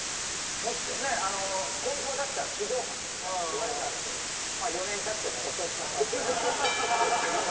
「もし好評だったら地上波」みたいな事言われたんですけどまあ４年経っても音沙汰なし。